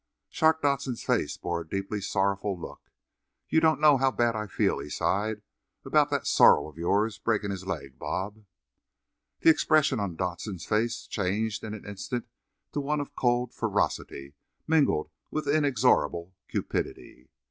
Shark Dodson's face bore a deeply sorrowful look. "You don't know how bad I feel," he sighed, "about that sorrel of yourn breakin' his leg, Bob." The expression on Dodson's face changed in an instant to one of cold ferocity mingled with inexorable cupidity.